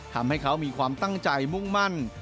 ทำให้เขามีความตั้งใจมุ่งมั่น